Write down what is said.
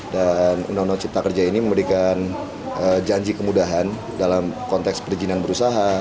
dan undang undang cipta kerja ini memberikan janji kemudahan dalam konteks perjinan berusaha